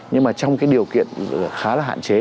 nhưng mà trong cái điều kiện khá là hạn chế